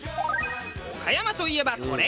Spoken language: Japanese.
岡山といえばこれ！